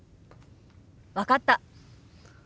分かった。